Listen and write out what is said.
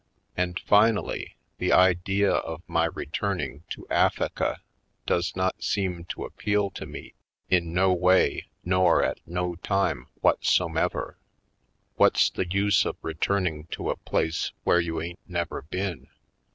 And, finally, the idea of my returning to Affika does not seem to appeal to me in no way nor at no time whatsomever. What's the use of returning to a place where you ain't never been?